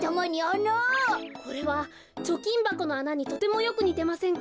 これはちょきんばこのあなにとてもよくにてませんか？